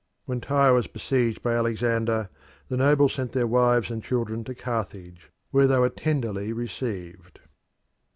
When Tyre was besieged by Alexander the nobles sent their wives and children to Carthage, where they were tenderly received.